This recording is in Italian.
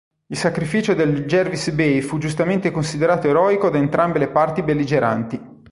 Il sacrificio del "Jervis Bay" fu giustamente considerato eroico da entrambe le parti belligeranti.